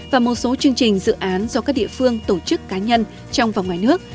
và một số chương trình dự án do các địa phương tổ chức cá nhân trong và ngoài nước